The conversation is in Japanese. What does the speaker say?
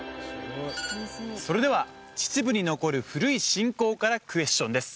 それでは秩父に残る古い信仰からクエスチョンです